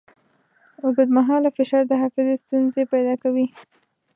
اوږدمهاله فشار د حافظې ستونزې پیدا کوي.